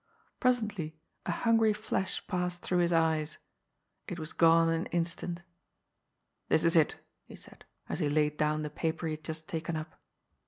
Presently a hungry flash passed through his eyes. It was gone in an instant. '' This is it," he said, as he laid down the paper he had just taken up.